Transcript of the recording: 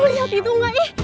lo lihat itu nggak ih